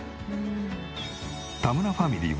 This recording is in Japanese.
田村ファミリーは